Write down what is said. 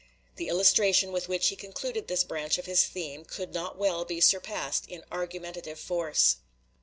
The illustration with which he concluded this branch of his theme could not well be surpassed in argumentative force.